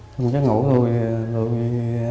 trong trắng ngủ rồi rồi